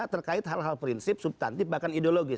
terkait hal hal prinsip subtantif bahkan ideologis